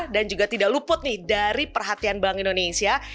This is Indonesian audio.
dan juga tidak luput nih dari perhatian bank indonesia